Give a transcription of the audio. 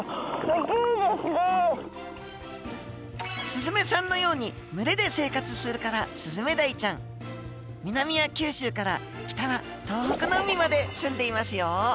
スズメさんのように群れで生活するから南は九州から北は東北の海まですんでいますよ。